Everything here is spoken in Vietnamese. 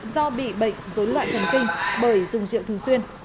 do bị bệnh dối loạn thần kinh bởi dùng rượu thường xuyên